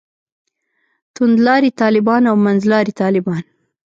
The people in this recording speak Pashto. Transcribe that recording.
توندلاري طالبان او منځلاري طالبان.